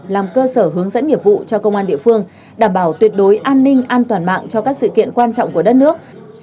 làm cơ sở hướng dẫn nghiệp vụ cho công an địa phương đảm bảo tuyệt đối an ninh an toàn mạng cho các sự kiện quan trọng của đất nước